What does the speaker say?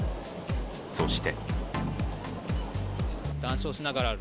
そして。